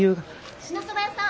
支那そば屋さん！